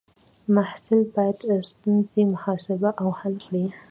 محصل باید ستونزې محاسبه او حل کړي.